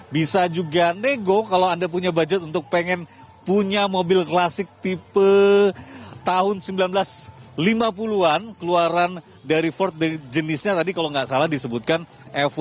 bisa juga nego kalau anda punya budget untuk pengen punya mobil klasik tipe tahun seribu sembilan ratus lima puluh an keluaran dari ford jenisnya tadi kalau nggak salah disebutkan f satu